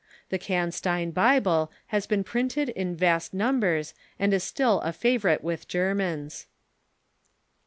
The Cansteiii Bible has been printed in vast num bers, and is still a favorite with Germans.